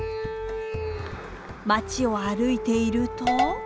町を歩いていると。